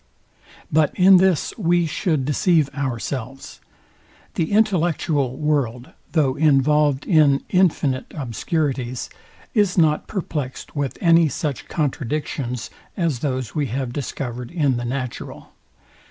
But in this we should deceive ourselves. The intellectual world, though involved in infinite obscurities, is not perplexed with any such contradictions, as those we have discovered in the natural.